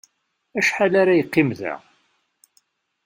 Acḥal ara yeqqim da?